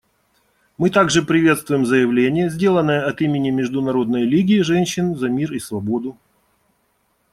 Мы также приветствуем заявление, сделанное от имени Международной лиги женщин за мир и свободу.